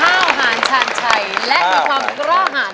อาหารชาญชัยและมีความกล้าหาร